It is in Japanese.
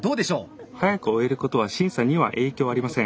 早く終えることは審査には影響ありません。